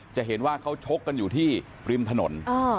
จะเห็นว่าเขาชกกันอยู่ที่ริมถนน